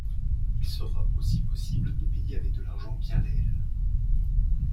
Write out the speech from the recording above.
Il sera aussi possible de payer avec de l'argent bien réel.